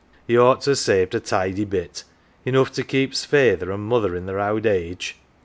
He ought to ha' saved a tidy bit, enough to keep's feyther an' mother i' their owd age.